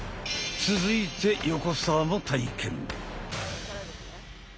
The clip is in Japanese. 続いて横澤も体験。